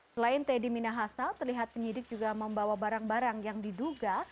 selain teddy minahasa terlihat penyidik juga membawa barang barang yang diduga